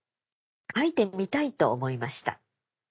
書いてみたいと思いました。